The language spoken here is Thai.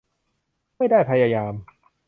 ไม่ได้พยายาม